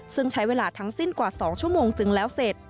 ซึ่งใช้เวลาทั้งสิ้นกว่า๒ชั่วโมงจึงแล้วเสร็จ